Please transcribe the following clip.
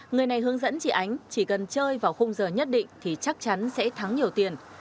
người này hướng dẫn chị ánh chỉ cần chơi vào khung giờ nhất định thì chắc chắn sẽ thắng nhiều tiền